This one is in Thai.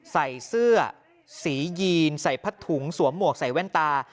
ใส่เสื้อสียีนใส่ผ้าถุงสวมหมวกใส่แว่นตา